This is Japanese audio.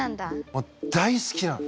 もう大好きなの。